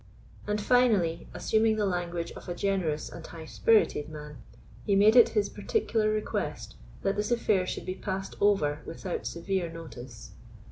And, finally, assuming the language of a generous and high spirited man, he made it his particular request that this affair should be passed over without severe notice.